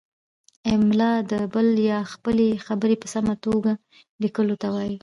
املاء د بل یا خپلې خبرې په سمه توګه لیکلو ته وايي.